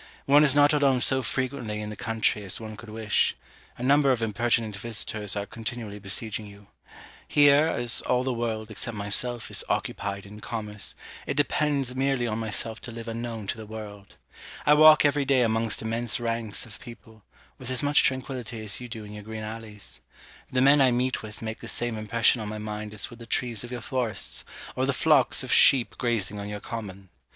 One is not alone so frequently in the country as one could wish: a number of impertinent visitors are continually besieging you. Here, as all the world, except myself, is occupied in commerce, it depends merely on myself to live unknown to the world. I walk every day amongst immense ranks of people, with as much tranquillity as you do in your green alleys. The men I meet with make the same impression on my mind as would the trees of your forests, or the flocks of sheep grazing on your common.